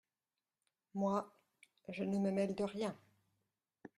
Moi, je ne me mêle de rien !